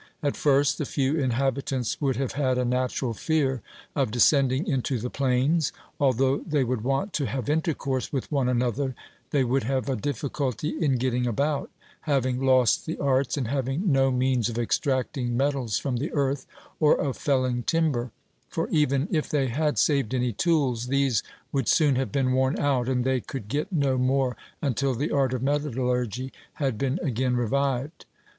At first, the few inhabitants would have had a natural fear of descending into the plains; although they would want to have intercourse with one another, they would have a difficulty in getting about, having lost the arts, and having no means of extracting metals from the earth, or of felling timber; for even if they had saved any tools, these would soon have been worn out, and they could get no more until the art of metallurgy had been again revived.